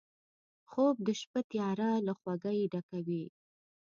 خوب د شپه تیاره له خوږۍ ډکوي